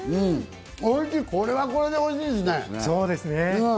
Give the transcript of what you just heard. これはこれでおいしいですね。